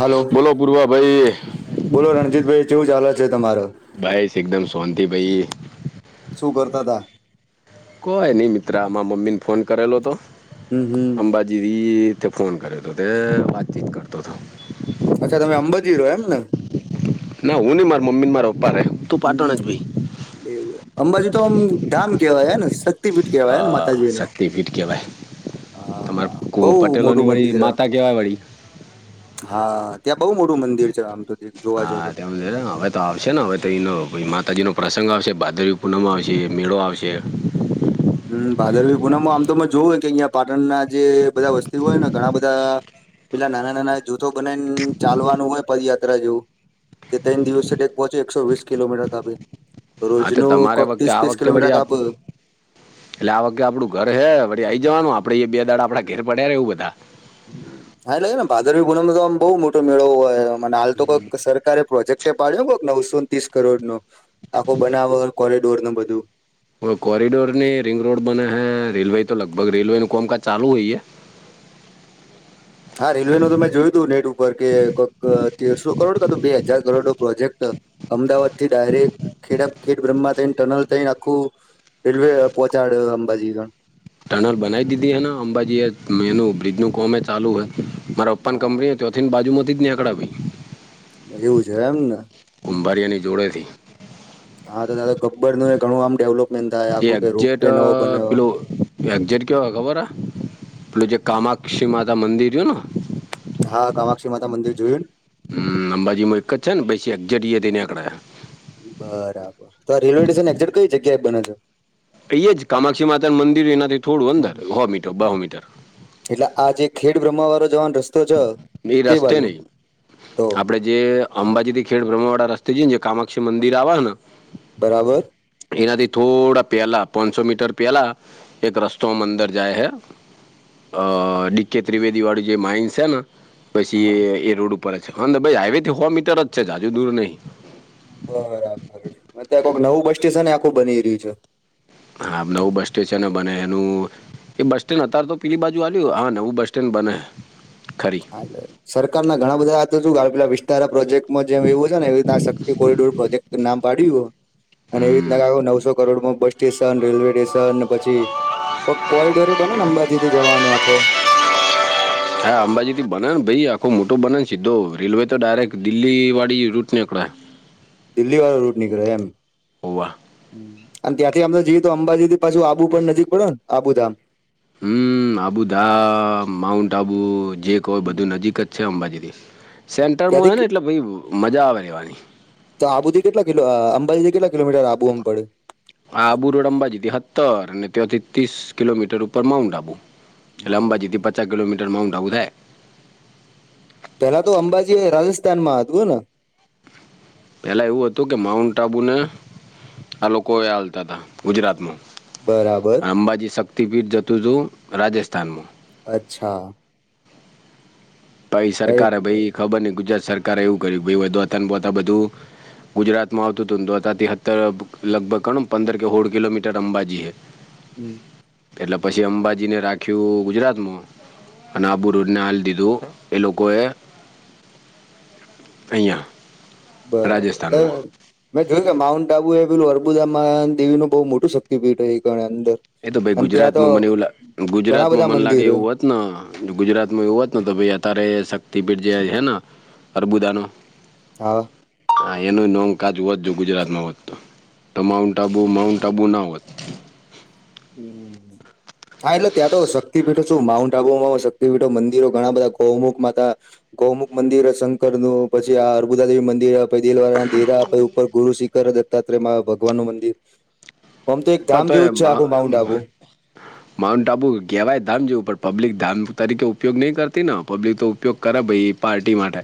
Hello બોલો ગુરબ ભાઈ. બોલો રણજીતભાઈ કેવું ચા છે, તમારો. ભાઈશ એકદમ સોંત ભાઈ. શું કરતા હતા આ. કોઈ નહી મિત્રામાં મમ્મીને ફોન કરેલો હતો. હમ હમ. દીદી તે ફોન કર્યો હતો, તે વાતચીત કરતો હતો. અચ્છા તમે અંબાજી રહો એમ ને ના હું ન માર મમ્ી ને મારા પપ્પા રે. તું પાટણ હમ જ ભાઈ બેવું એમ અંબાજુ તો આમ ધામ કેવાય ને. પીટ અ કેવાય ને માતાજીુ શક્તિપીઠ કહેવાય તમારે હા કુ બહ મોટું પટેલોની વળી મંદિર માતા કહેવાય વળી હા ત્યાં બઉુ મોટું મંદિર છે, આમ તો જોવા જાવ હા તો તમે તધે. તો આવશે ને હવે તો એનો માતાજી નો પ્રસંગ આવશે ભાદરવી પૂનમ આવશે મેળો આવશે હમ ભાદરવી પૂનમો આમ તો જોવુંય કે અહં પાટણના જે બધા વસ્તી હોય, ને ઘણા બધા. પેલા નાના નાના જૂથો બનાવીને ચાલવાનું હોય પદયાત્રા જેવુ તે ત દિવસ પહોંચી એકો વસ કિલોમીટર તા રોજ હા તો ન તમારે કક વખતે ત્રીસ આ ત્રીસ વખતે વળી કિલોમીટર આપ કાબ. એટલે આ વખતે આપડું ઘર હે વળ આઈ જવાનું આપડે બે દાડા આપડા ઘેર પડ્યાે એવું બધા. હ હા એ લાગે ને બાજર ગુનાવામાં બહુ મોટો મેળવો હોય મ હાલ તો કઈક સરકારે પ્રોજેક્ટ પાડ્યો કહ નવસોને ત્રીસ કરોડ નો આખો બનાવ વગર કોરિડોર નો બધુ કોરિડોર ની રિંગ રોડ બને હૈ રેલવે તો લગભગ રેલવે નનું કોમકાજ ચાલુ હોય, હે. હા રેલવે નો તો મેં જોયું તું નેટ ઉપર કે કક તેરસો કરોડ ક તો બે હજાર, કરોડ નો પ્રોજેક્ટ. અમદાવાદ થી ડાયરેક્ટ ખેડા ખેડ બ્રહ્મા થઈને ટનલ થઈને આખુ રેલવે પોહોચાડ્યો અંબાજી ગણ. ટનલ બનાવી દીધી હ ને અંબાજી એ એનું બ્રિજનું કોમે ચાલુ હ મારા ઓપ્પન હા કંપની તે અથીથેન બાજુમતી જ આક આપ આવી. એવું છે, એમને કુંભારીિયાની જોડેથી. હા તો દા ગબર નું ઘણુંમેવલપ એ એગજેટ પીલોવ. એકજર કહેવાય ખબર હ પેલું જે કામાક્ષી માતા મંદિર છેને. હા કામાક્ષી માતા મંદિર જોયું ને હમ અંબાજીમાં એક જ છે ને બેી એક જટએ દને એકક બરાબર તો આ રેલવે સ્ટેશન એક્ઝેક કઈ જગ્યાએ બને છેો. અહી જ કામાક્ષી માતા નું મંદિર એનાથી થોડું અંદર હો મીટર બહો મીટર એટલે આ જે ખેડ બ્રહ્મ વાળો જવાનો રસ્તો છે એ તે રસ્તે બાજુ નહીં તો આપણે જે અંબાજી થી ખેડ બ્રહ્મ વાળા રસ્તે છે ને કામાક્ષી મંદિર આવે ને બરાબર એનાથી થોડા પેલા પાંચસો મીટર પેલા એક રસ્તોમાં અંદર જાય હૈ અ ડી કે ત્રિવેદી વાળું જે માઇન્સ છે ને પછી એ હા. એ રોડ ઉપર જ છે હાઈવે થી સો મીટર જ છે જાજુ દૂર નહીં બરાબરંક નવું બસ સ્ટેશન ને આખું બની રહ્યું છે હા નવું બસ સ્ટેશન બને એનું એ બસ સ્ટેન્ડ અત્યારે તો પેલી બાજુ આ્યું હો હા ને એવું બસ સ્ટેન્ડ બને ખરી હા સરકાર ના ઘણા બધા તો શું પેલા વિસ્તારા પ્રોજેક્ટ જેમ એવું છે એવી રીતે શક્તિ કોરિડોર પ્રોજેક્ટ નામ પાડ્યું અને એવી હમ રીતના ક નવસો crore bus station railway station ને પછી કો કોરિડોરે બને ને અંબાજી થી જવાનો આખો હા અંબાજીથી બનેને ભાઈ આખો મોટો બનેને સીધો રેલવે તો ડાયરેક્ટ દિલ્હીવાળી રૂટ નીકળાય દિલ્હી વાળો રૂટ નીકળ્યો એમ ઓવા અને ત્યાંથી અમ તો જય તો અંબાજી પાછું આબુ પણ નજીક પડે ને આબુધામ હમ આબુધા માઉન્ટ આબુ જે કોય હમ. બધું નજીક જ છે અંબાજીથી સેન્ટરમાં ત્યાંથી હોય ને કે- એટલે ભ મજા આવે રહેવાની તો આબુથી કેટલા કિ અંબાજીથીટ કિલોમીટર આબુ અમ પડે આ આબુ રોડ અંબાજી થી સતર અને ત્યાથી ત્રીસ કિલોમીટર ઉપર માઉન્ટ આબુ ચ માઉન્ટ લંબા જી આબુ હતી પચ કિલોીટર માઉન્ટા ઉધર પેલા તો અંબાજી રાજસ્થાન માં હત ગું ને પેલા એવું હતું કે માઉન્ટ આબુને આ લોકો હાલતા હતા ગુજરાતમાં બરાબર અંબાજી શક્તિપીઠ જતું છું રાજસ્થાનમાં અચ્છા પ સરકારે એટલે ભાઈ ખબર નઈ ગુજરાત સરકારે એવું કર્યુંચુ અતન બોતા બધું ગુજરાતમાં આવતું હતું ને તોો હતાથીત લગભગ કોણ પંદર કેોળ કિલોમીટર અંબાજી છે હમ એટલે પછી અંબાજી ને રાખ્યું ગુજરાતમાં અને આબુ રને હાલ દીધું એ લોકોગોએ અયા બરાબર મેં જોયું કે માઉન્ટ આબુ એ પેલું અર્બુદામાં દેવી નું બહુ મોટું શક્તિપીઠ છે એ અંદર એ તો ભાઈ અને ત્યાં તો ગુજરાતમાં મને એવું ગુજરાત ઘણા માં બધા મન લાગે મંદિર એવું હોત ગુજરાતમાં એવું હોત ને તો ભાઈ અત્યારે શક્તિપીઠ જે છેે ને અરબુ દનોો હા હા એનું નોમ કાચ વધજ ગુજરાતમાં હોત તો તો માઉન્ટ આબુ માઉન્ટ આબુ ના હોત હમ હા એટલે ત્યાં તો શક્તિપીઠો શું માઉન્ટ આબુમાં શક્તિપીઠો મંદિરો ઘણા બધા ગૌમુખમાં હતા ગૌમુખ મંદિર શંકર નું પછી આ અર્બુદાદેવી મંદિર પ દલવા દેરા ગુરુ શિખર દત્તાત્રેય ભગવાન નું મંદિર આમ તો એક ધામ જેવું જ છે આખું માઉન્ટ એ [inaudible] માઉન્ટ આબુ કહેવાય ધામ જેવું પબ્લિક ધામ તરીકે ઉપયોગ નહી કરતી પબ્લિક તો ઉપયોગ ખરા ભાઈ પાર્ટી માટે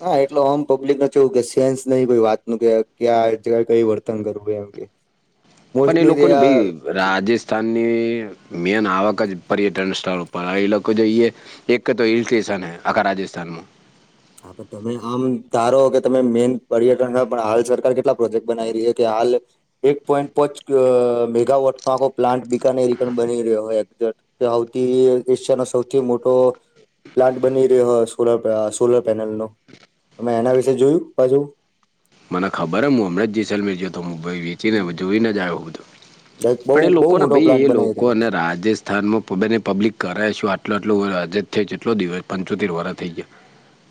ના એટલે આમ પબ્લિકને જોવું કે સેન્સ નહી કોઈ વાત ન કે ક્યા જગ કઈ વર્તન કરવુંય એમ કે [inaudible] પણ એ તે લોકોને આ ભાઈ બધું રાજ વિસ્થાનની મેન આવક જ પર્યટન સ્થળ ઉપર એ લોકો જઈએ એક કે તો હિલ સ્ટેશન હૈ આખા રાજસ્થાનમાં [unintelligible] આમ ધારો કે તમે મેન પર્યટન પણ હાલ સરકાર કેટલા પ્રોજેક્ટ બનાવી રહી કે હાલ એક પોઈન્ટ પોચ મેગાવોટ નો આખો પ્લાન્ટ બીિક ર બની રહ્યોયે તે હવથી એશિયાનો સૌથી મોટો પ્લાન્ટ બની રહ્યો હો સોલર સોલર પેનલ નો મેમે એના વિશે જોયું બાજુ મને ખબર હું અમૃત જેસલમે જો હતો. તો હુંાઈ વેચીને જોઈને જાય બધું બઉ બહુ પણ એ બહુ લોકોને મોટો ભાઈ પ્લાન્ટ એ બનાવી લોકો રહ્યો અને રાજ સ્થાનમાંને પબ્લિક કરાવ છેું આટલો આટલું જ થટ પંચોતેર વર થઈ ગયા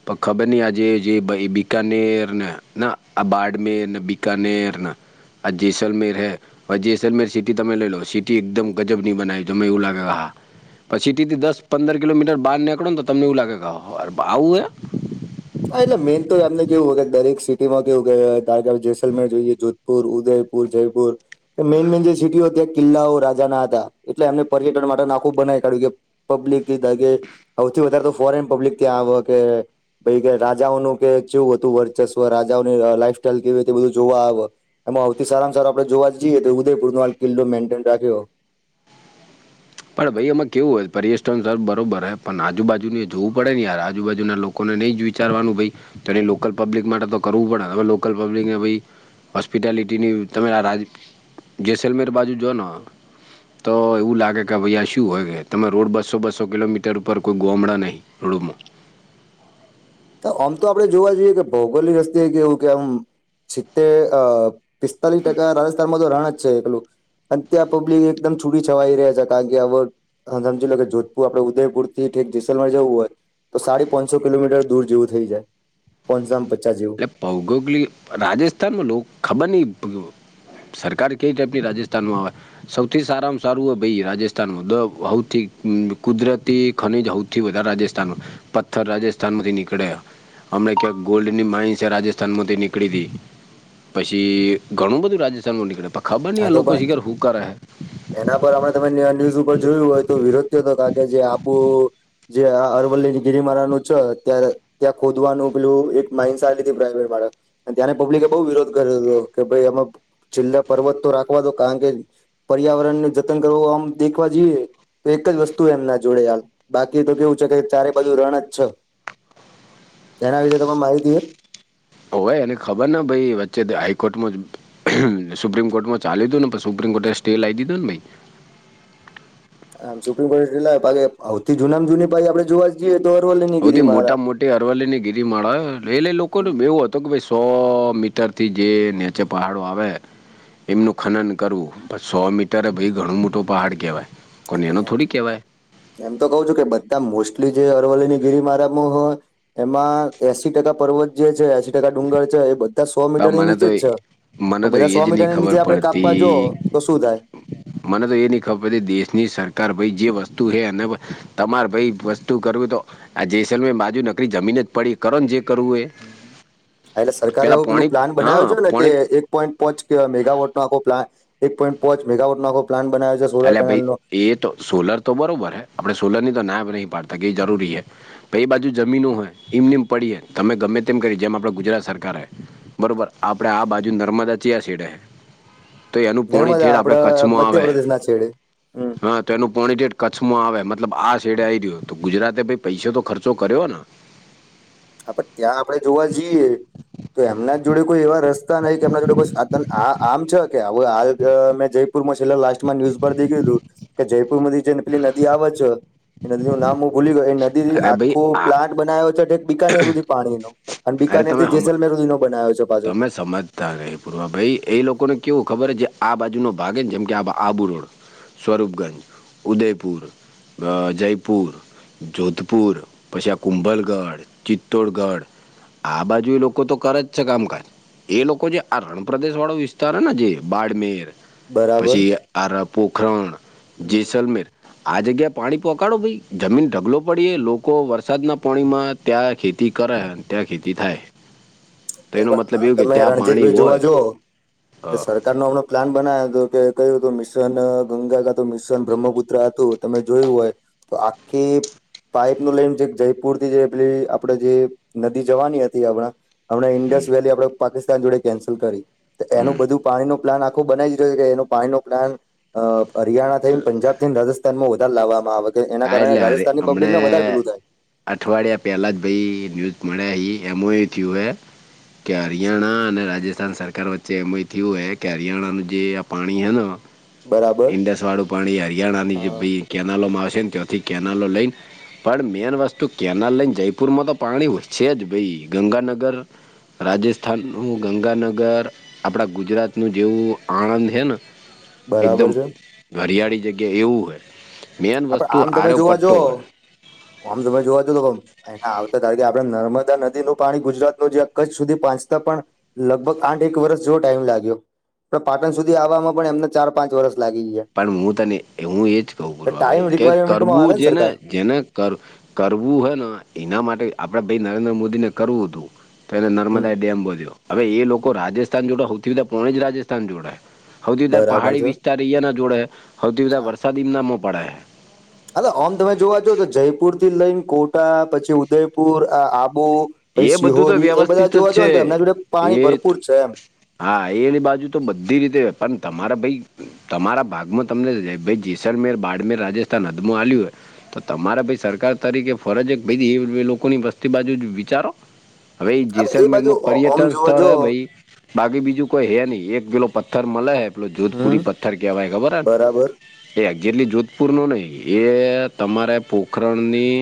પણ ખબર નહી આજે જે બકાનેરને ના આ બાાડમેર બીિકનેર આ જૈસલમેર હૈ પછીજેસલ મેહેલ સિટી તમે લઈ લો સિટી એકદમ ગજબની બનાવી એવું લાગે હા પછી સીટી દસ પંદર કિલોમીટર બહાર નીકળો ને તો તમને એવ લાગે કેો આવું એ હા એટલે મેન તો એમને કેવું હોય કે દરેક સિટી માં કેવું જેસલમેર જોઈએ પુર ઉદયપુર જયપુર મેન મેન જે સિટી હો--ત કિલ્લાઓ રાજા ના હતા એટલે એમને પર્યટન માટે નાખું બનાવી કાઢ્યું કે પબ્લિક કીધા કે સૌથી વધારે તો ફોરેન પબ્લિક ત્યાં આવ કે ભાઈ કે રાજાઓનું કે કેવું હતું વર્ચસ્વ રાજાઓની લાઈફ સાઈલ કેવીતે બધું જોવા આવે એમાંથી સારામાં સાર આપે જોવા જઈએ તો ઉદયપુર નો આ કિલ્લો મેન્ટેન રાખ્યો પણ ભાઈ એમાં કેવું હોય પર્યસ્ટ્ટન સર બરોબર પણ આજુબજુને જોવું પડે ને યાર આજુબાજુના લોકો લોકોને નહી જ વિચારવાનું તો એ લોકલ પબ્લિક માટે તો કરવું પડે હવેકલ પબ્લિકને હોસ્પિટાલિટીની તમે આ રાજ જેસલમેર બાજુ જ તો એવું લાગે કે ભાઈ શું હોય કે તમે રોડ બસો બસો કિલોમીટર ઉપર કોઈ ગોમડા નહીં રોડમાં આમ તો આપડણે જોવા જઈએ કે ભૌગોલિક રસ્તે કેવું કે આમ સિત્તે પિસ્તાલીસ ટકા રાજસ્થાનમાં રા રહેણા એકલું અને ત્યાં પબ્લિક એકમ છુરી છવાઈ રહ્યા છે કારણ કે આ હા સમજી લો કે જોધપુર આપડે ઉદયપુર થીઠક જેસલર જવું હોય. તો સાડી પાંચસો કિલોમીટર દૂર જેવું થઈ જાય પોસોમાં પચાસ જે ભૌગોગિક રાજસ્થાનમાં લોકો ખબર નહી સરકાર કઈ ટાઈપની રાજસ્થાન માં આવે સૌથી સારામાં સારું હો ભાઈ રાજસ્થાનમાંૌથી કુદરતી ખનીજ સૌથી વધાર રાજસ્થ પથ્થર રાજસ્થાનમાંથી નીકળ્યા અમ ક્યાં ગોલ્ડ મા રાજસ્થાન માંથી નીકળી હતીી પછી ઘણું બધું રાજસ્થાન માં નીકળે ખબર નહીં હા આ તો લોકો પણ શીખર હું કરે એના પર આપ તમે ન્યુઝ ઉપર જોયું હોય તો વિરોધ કતો કે જે આુંબ જે આ અરવલ્લી ગિરિમાળા નું છે ત્યારે ત્યાં ખોદવાનું પેલું એક માઇન્સાધ પ્રાઈવે માળ ત્યાંને પબ્લિકે બહુ વિરોધ કર્યો હતો કે ભાઈ એમાં છેલ્લા પર્વત તો રાખવા દો કારણ કે પર્યાવરણને જતન કરો આમ દેખવા જોઈએ તો એક જ વસ્તુ એમના જોડે હાલ બાકી તો કેવું છે કે ચારે બાજુ રણ જ છે. તેના વિશે તમામે માહિતી હો ઓય એને ખબર ને ભાઈ વચ્ચે હાઈકોર્ટમાં જ સુપ્રીમ કોર્ટમાં ચાલ્યું હતું ને પણ સુપ્રીમ કોર્ટે સ્ટે લાવ દીધો ને ભાઈ આમ સુપ્રીમ કોર્ટટે આવથી જુનામ જૂની ભાઈ આપડે જોવા જએ જે દરો લ હથી મોટા મોટી અરવલ્લી ની ગીરી માળ એટલે લોકો ન એવું હતો કે ભસો મીટર થી જે વચ્ચે પહાડો આવે એમનું ખનન કરવું પણ સો મીટરે ભાઈ ઘણું મોટું પહાડ કહેવાય. હા કોને તો એનું એમ થોડી કહેવાય એમ તો કઉ છું કે બધા મોસ્ટલી જે અરવલ્લીની ગીરી મારામાં હોય એમાં એસી ટકા પર્વત જે છે એસી ટકા ડુંગર છે એ બ બ સો બા મીટર ની મને નીચે તો જ છે મને તો બધા એ સો જ મીટર નહીં ની ખબર નીચે આપડે કાપવા જો પડતી તો શું થાય [inaudible] [unintelligible] મને તો એ નહીં ખબર કે દેશની સરકાર ભાઈ જે વસ્તુ હ અને તમારે ભાઈ વસ્તુ કરવી તો આ જેસલ માજું નકરી જમીન જ પડી કરણ જે કરવું એ એટલે સરકારે પેલા એવું પેલું પોણી પ્લાન બનાવ્યો હા છે ને કે પોણી એક પોઈન્ટ પોચ મેગાવોટનો આખો પ્ન એક પોઈન્ટ પોચ મેગાવોટો આખો પ્નનાવે છે સોલર અલે પેનલ નો ભાઈ એ તો સોલર તો બરોબર હ આપડણે સોલર ની તો ના નહી પાડતા કે એ જરૂરી છે તો એ બાજુ જમીનું હોય ઇમ નીમ પડીએ તમે ગમે તેમ કરી જેમ આપણે ગુજરાત સરકાર હો બરોબર આપડે આ બાજુ નર્મદા ચયા સીડે નર્મદા આપડ મધ્યપ્રદેશ ના છેડે હમ હ તો એનું પોણી ડેટ કચ્છમાં આવે મતલબ આ સેડે આવી રહ્યો તો ગુજરાતે ભાઈ પૈસ તો ખર્ચો કર્યો ને હ પણ ત્યાં આપડણે જોવા જઈએ તો એમના જોડે કોઈ એવા રસ્તા નહી કે એમના જોડે કો આમ છે કે આવ હાલ મે જઈ પમાં લાસ ન્યૂઝ પર દેખું કે જયપુર માંથી જે લી નદી આવે છે એ નદી નું નામ હું ભૂલી ગયો નદી અરે ભાઈ આખો આ પ્લાન્ટ બનાવ્યો છે બીકાનેરુ થી પાણી ન અને અરે બીકાાનેર તમે થી હમ જેસલ મેરુદી નો બનાવ્યો છે પાછો તમે સમજતા ર પૂરવા ભાઈ એ લોકોને કેવું ખબર જે આ બાજુ નો ભાગેને જેમ કે આબુ રોડ સ્વરૂપગંજ ઉદયપુર અ જયપુર જોધપુર પછા કુંબલગઢ ચિત્તોૌડગઢ આ બાજુ એ લોકો તો કરે જ કામકાજ એ લોકો જે આ રણ પ્ર્રદેશ વાળો વિસ્તાર હ ને જે બાડમેર બરાબર પછી આરા પોખરણ હમ જેસલમેર આ જગ્યા પાણી પોહોચાડો ભાઈ જમીન ઢગલો પડીે લોકો વરસાદના પાણી માં ત્યાં ખેતી ખેતી કરાય અને ત્યાં ખેતી થાય તો એનો અરે મતલબ આમ એવું કે તમે ત્યાં પાણી રણજીતભાઈ જોવા હોય જ અ સર નો હમણો પ્લાન બનાવ્યો હતો કે કયું હતું મિશન ગંગા કા હતું મિશન બ્રહ્મપુત્ર હતું તમે જોયું હોય તો આખે પાઈપ ન લઈન જે જયપુર થી જે પેલી આપણેે જે નદી જવાની હતી આપણાં હમણા ઇન્ડસ વેલી આપણે પાકિસ્તાન જોડે કેન્સલ કરી તો એનું હમ બધું પાણીનું પ્લાન આખો બનાવી્યો છે કે એ પાણી ન પ્લાન હરિયાણા થઈને પંજાબ થઈને રાજસ્થ માં વધારે લાવવામાં આવે કે એના હા એટલે કારણે હારે રાજસ્થાનની પબ્િક હમણે ને વધારે પેલું થાય અઠવાડિયા પહેલા જ ભાઈ ન્યૂઝ મળ્યા હ એમોય થયું હે કે હરિયાણા અને રાજસ્થાન સરકાર વચ્ચે એમય થયું હ કે હરિયાણાનું જે આ પાણી હે બરાબર ઇડસવાળું પાણી હરિયાણાની જે હા બી કેનાલોમાં આવશે કથી કેનાલો લઈને પણ મેન વસ્તુ કેનાલ લઈને જયપુર માં તો પાણી હોય છે જ ભાઈ ગંગાનગર રાજસ્થાન હું ગંગાનગર આપણા ગુજરાતનુંું જેવું આણંદ હે ને બરાબર એકદમ છે ઘરિયાળી જગ્યા એવું હોય મેન વસ્તુ આપડે આમ તમે આરો જોવા જ પટ્ટો હોય આમ તમે જોવા જ તો એના આવતા તણ કે આપડણે નર્મદા નદીનું પાણી ગુજરાત ન જે કચ્છ સુધી પાહંચતા પણ લગભગ આઠ એક વરષ જો ટાઈમ લાગ્યો પણ પાટણ સુધી આવવામાં પણ એમને ચાર પાંચ વર્ષ લાગી ગ છે પણ હું તને હું એજ કહ ગુ ટાઈમ ભાઈ કે રિક્વાયરમેન્ટમાં કરવું આવે જે ને સરકાર જેને કરવું હોય ને એના માટે આપણે ભાઈ નરેન્દ્ર મોદી ને કરવું હતું તો એને હમ નર્મદા ડેમ વધ્યો હવે એ લોકો રાજસ્થાન જોડે સૌથી બીધા પોણે જ રાજસ્થાન જોડાય હૌથી વધધાર બરાબર પહાડી છે વિસ્તાર અયા ના જોડે હૌથી વધધારે વરસાદી મનામો પડે હ આમ તમે જોવા જ તો જયપુર થી લઈને કોટા પછી ઉદયપુર આબુ પછી એ બધું સિહોર તો એ બધા વ્યવસ્થિત જોવા જ જો છે ને તો એમના જોડે પાણી એ ભરપૂર ત- છે એમ હા એની બાજુ તો બધી રીતે પણ તમારા ભાઈ તમારા ભાગમાં તમને ભ જેસલમેર બાડમેર રાજસ્થાન હદમાંો આવ્યું હોય તો તમારા ભાઈ સરકાર તરીકે ફરજ એક ભાઈ એ લોકોની વસ્તી બાજુ વિચારો ભાઈ હા, એ બાજુ જેસલમેરમાં આમ પર્યટન જોવા સ્થળ જો હે ભાઈ બાકી બીજું કોઈ હે નહી એક કિલો પથ્થર મળે પલો હમ જોધપુરી પથ્થર કેવાય ખબર હ ને બરાબર એ એ જેટલી જોધપુર ન નહિ એ તમારે પોખરણની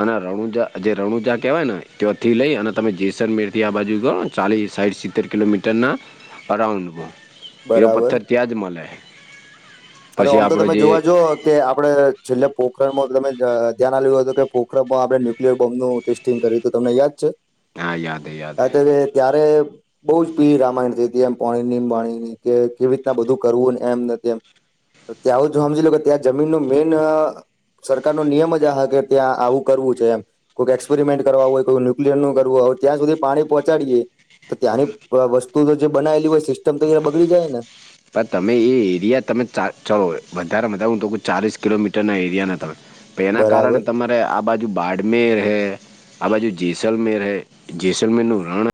અને રણુજા જે રણુજા કેવાય ને તથી હમ લઈ અને તમે જેસલમેર થી આ બાજુ ગો ચાલીસ સાઈઠ સિત્તેર કિલોમીટરના અરાઉન્ડ બો એવો બરાબર પથ્થર ત્યાં જ મળલે હા આમ તો તમે જોવા જ આપણે છેલ્લે પોખરણમાં તમે ધ્યાનઆલવ્યું હતું કે પોખરણ માં આપણે ન્યુક્લિયર બોમ્નું ટેસ્ટ તો તમને યાદ છે હા યાદ હે યાદ હે ત્યારે બહુ જ ભીળ રામાયણ થઈ એમ પોણીની એ વાણીની કે કેવી રીતના બધું કરવું ને એમ નથી એમ ત્યાં હ જો સમજી લો કે ત્યાં જમીન ન મેઈન સરકાર નો નિયમ જ આ કે ત્યાં આવું કરવું છે એમ કોઈક એક્સપેરમેન્ટ કરવા હોય કોઈ ન્યુક્લિયર ન કરવું હોય ત્યાં સુધી પાણીહોચડીએ તો ત્યાંની વસ્તુ જે બનાયલી હોય સિસ્ટમ તો જ બગડી જાય ને પણ તમે એ એરિયા તમે ચાલો વધારે મ હું તો ચાલીસ કિલોમીટરના એરિયા ના તમે તો એના કારણે બરાબર તમારે આ બાજુ બાડમેય રહે આ બાજુ જેસલમેયર રહે જસ મેનુ રહણા